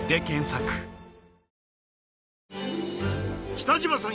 北島さん